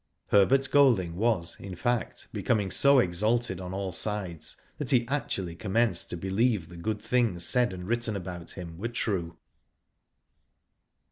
Herbert Golding was, in fact, becoming so exalted on all sides that he actually commenced to believe the good things said and written about him were true.